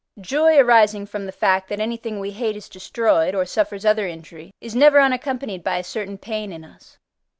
Joy arising from the fact, that anything we hate is destroyed, or suffers other injury, is never unaccompanied by a certain pain in us.